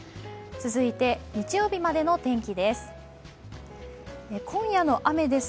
続いて日曜日までの天気です。